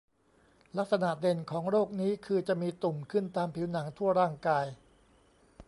ลักษณะเด่นของโรคนี้คือจะมีตุ่มขึ้นตามผิวหนังทั่วร่างกาย